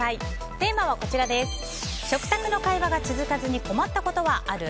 テーマは、食卓の会話が続かずに困ったことはある？